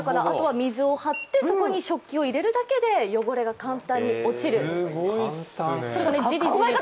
あとは水を張ってそこに食器を入れるだけで汚れが簡単に落ちる。